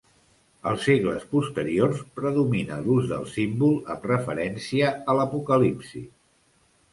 Als segles posteriors predomina l'ús del símbol amb referència a l'Apocalipsi.